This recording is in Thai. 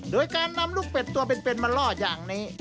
โดยการนำลูกเป็ดตัวเป็นมาล่ออย่างนี้